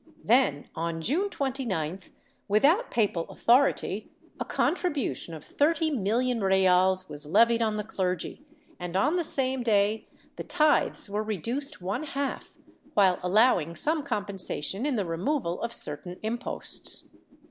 Then, on June 29th, without papal authority, a contribution of thirty million reales was levied on the clergy and, on the same day, the tithes were reduced one half, while aUowing some compensation in the removal of certain imposts.